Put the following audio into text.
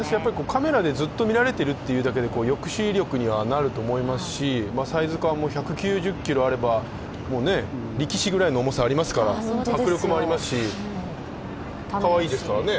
カメラでずっと見られてるってだけで抑止力にはなりますしサイズ感も１９０ｋｇもあれば、力士ぐらいの重さがありますから迫力もありますし、かわいいですからね。